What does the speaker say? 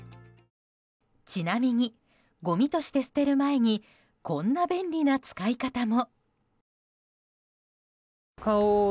ちなみに、ごみとして捨てる前にこんな便利な使い方も。